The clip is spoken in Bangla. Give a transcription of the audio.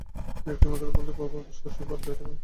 এই একটি মাত্র বন্ধুর প্রভাবে শশী একবারে বদলাইয়া গেল।